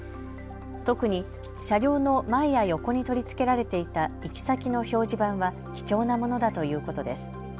特に車両の前や横に取り付けられていた行き先の表示板は貴重なものだということです。